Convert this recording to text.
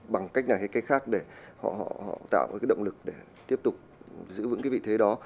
bằng cách này hay cách khác để họ tạo một cái động lực để tiếp tục giữ vững cái vị thế đó